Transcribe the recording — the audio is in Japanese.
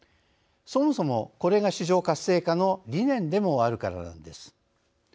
そもそも、これが市場活性化の理念でもあるからなんです。